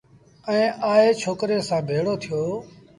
ائيٚݩ آئي ڇوڪري سآݩ ڀيڙو ٿيٚو